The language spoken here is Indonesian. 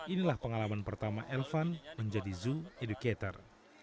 inilah pengalaman pertama elvan menjadi zoo educator